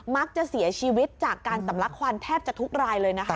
มักจะเสียชีวิตจากการสำลักควันแทบจะทุกรายเลยนะคะ